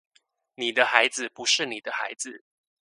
你的孩子不是你的孩子